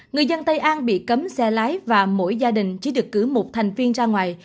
người dân tây an bị cấm xe lái và mỗi gia đình chỉ được cử một thành viên ra ngoài